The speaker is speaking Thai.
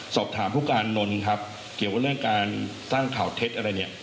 สอบถามผู้การนนท์ครับเกี่ยวกับเรื่องการสร้างข่าวเท็จอะไรเนี่ย